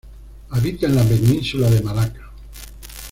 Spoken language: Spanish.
Habita en la península de Malaca.